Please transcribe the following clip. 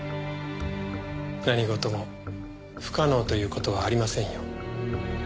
何事も不可能という事はありませんよ。